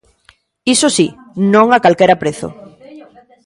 Iso si, non a calquera prezo.